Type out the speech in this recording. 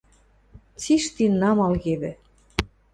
Цишти намал кевӹ.